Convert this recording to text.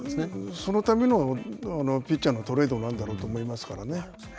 そのためのピッチャーのトレードなんだろうと思いますからね。